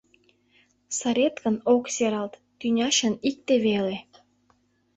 Сырет гын, ок сералт — Тӱня чын икте веле!